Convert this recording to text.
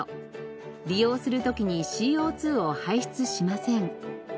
利用する時にＣＯ２を排出しません。